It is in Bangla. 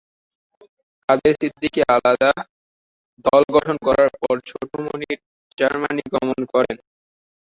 কাদের সিদ্দিকী আলাদা দল গঠন করার পর ছোট মনির জার্মানি গমন করেন।